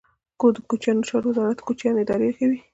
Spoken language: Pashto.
د کوچیانو چارو ریاست کوچیان اداره کوي